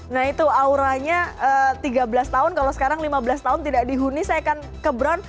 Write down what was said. nah itu auranya tiga belas tahun kalau sekarang lima belas tahun tidak dihuni saya akan ke bron